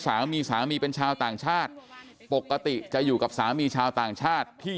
สามีสามีเป็นชาวต่างชาติปกติจะอยู่กับสามีชาวต่างชาติที่